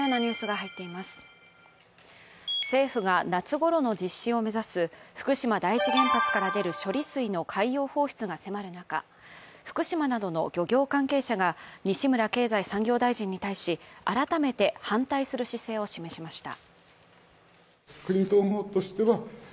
政府が夏ごろの実施を目指す福島第一原発から出る処理水の海洋放出が迫る中、福島などの漁業関係者が西村経済産業大臣に対し改めて反対する姿勢を示しました。